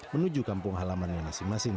menuju kampung halaman yang masing masing